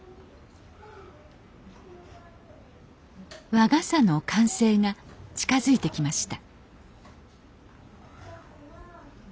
和傘の完成が近づいてきました